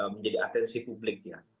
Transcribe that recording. menjadi atensi publik ya